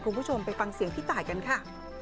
คุณผู้ชมไปฟังเสียงพี่ตายกันค่ะ